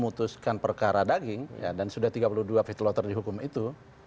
memutuskan perkara daging dan sudah tiga puluh dua feetlotter dihukum itu